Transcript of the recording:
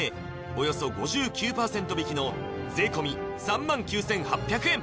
およそ５９％引きの税込３万９８００円